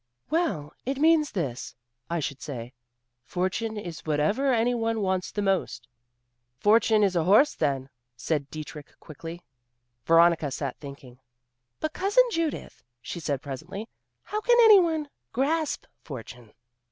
"Well, it means this I should say fortune is whatever anyone wants the most." "Fortune is a horse, then," said Dietrich quickly. Veronica sat thinking. "But, Cousin Judith," she said presently, "how can any one 'grasp fortune'?"